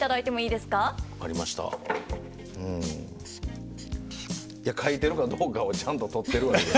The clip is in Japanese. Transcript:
いや書いてるかどうかをちゃんと撮ってるわけや。